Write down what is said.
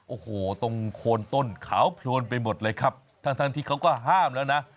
โอ้โหตรงโคนต้นขาวโพลนไปหมดเลยครับทั้งที่เขาก็ห้ามแล้วนะ